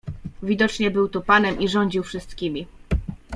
"Widocznie był tu panem i rządził wszystkimi."